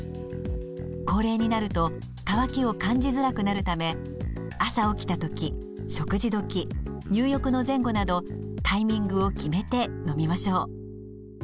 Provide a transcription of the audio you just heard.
高齢になると渇きを感じづらくなるため朝起きた時食事時入浴の前後などタイミングを決めて飲みましょう。